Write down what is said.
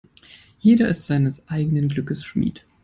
Jeder ist seines eigenen Glückes Schmied.